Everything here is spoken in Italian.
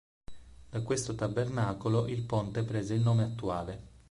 Da questo tabernacolo il ponte prese il nome attuale.